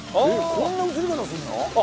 こんな映り方すんの？